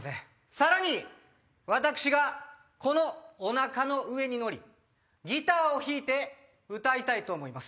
さらに私がこのおなかの上に乗りギターを弾いて歌いたいと思います。